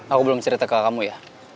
aku belum cerita ke kamu ya